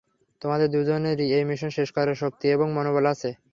তোমাদের দুজনেরই এই মিশন শেষ করার শক্তি এবং মনোবল আছে।